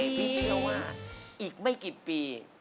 พี่เชื่อว่าอีกไม่กี่ปี